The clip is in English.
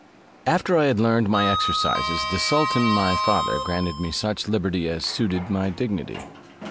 After I had learned my exercises, the sultan my father granted me such liberty as suited my dignity.